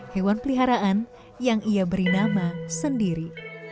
hewan peliharaan yang ia beri nama sendiri